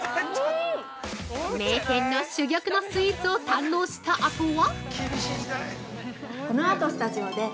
◆名店の珠玉のスイーツを堪能したあとは！？